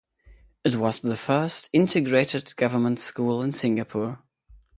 It was the first 'integrated' government school in Singapore.